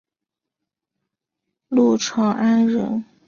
陆朝安人。